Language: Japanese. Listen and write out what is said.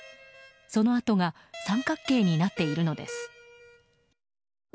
その跡が三角形になっているのです。